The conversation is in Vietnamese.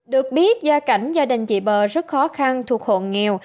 được biết gia cảnh gia đình chị bờ rất khó khăn thuộc hộ nghèo